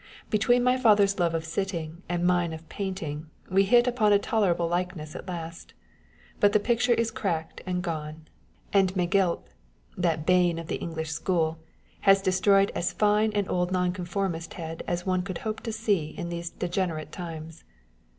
Between my father's love of sitting and mine of painting, we hit upon a tolerable likeness at last ; but the picture is cracked and gone ; and Megilp (that bane of the English school) has destroyed ' as fine an old Nonconformist head as one could hope to see in these degenerate times.